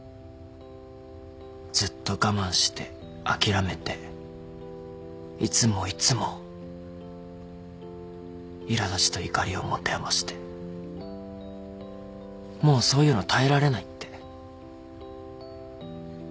ずっと我慢して諦めていつもいつもいら立ちと怒りを持て余してもうそういうの耐えられないって。